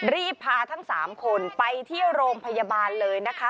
รีบพาทั้ง๓คนไปที่โรงพยาบาลเลยนะคะ